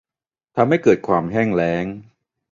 ทำให้เกิดความแห้งแล้ง